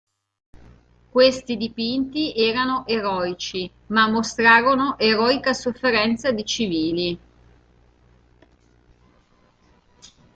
Questi dipinti erano eroici, ma mostrarono eroica sofferenza di civili.